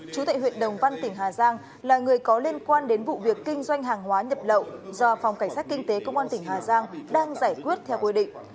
chú tại huyện đồng văn tỉnh hà giang là người có liên quan đến vụ việc kinh doanh hàng hóa nhập lậu do phòng cảnh sát kinh tế công an tỉnh hà giang đang giải quyết theo quy định